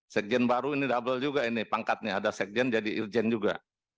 sekjen baru ini double juga ini pangkatnya ada sekjen jadi irjen juga